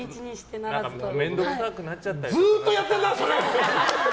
ずっとやってるな、それ！